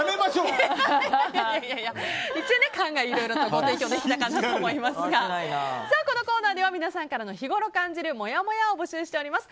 一応、考えをいろいろご提供できたかなと思いますがこのコーナーでは皆さんからの日頃感じるもやもやを募集しております。